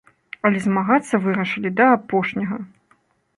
Але змагацца вырашылі да апошняга.